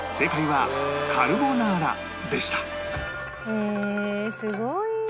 へえすごい！